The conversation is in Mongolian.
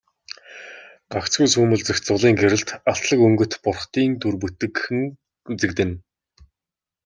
Гагцхүү сүүмэлзэх зулын гэрэлд алтлаг өнгөт бурхдын дүр бүдэгхэн үзэгдэнэ.